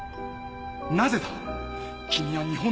なぜだ！？